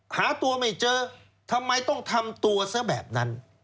หาตัวไม่เจอทำไมต้องทำตัวซะแบบนั้น